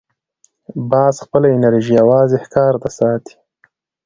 باز خپله انرژي یوازې ښکار ته ساتي